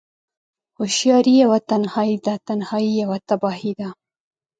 هوشیاری یوه تنهایی ده، تنهایی یوه تباهی ده